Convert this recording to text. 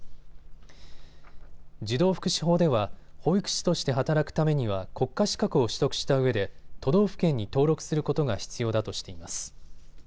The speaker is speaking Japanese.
児童福祉法では保育士として働くためには国家資格を取得したうえで都道府県に登録することが必要だとしています。